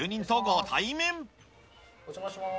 お邪魔します。